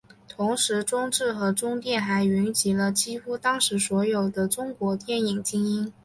同时中制和中电还云集了几乎当时所有的中国电影精英。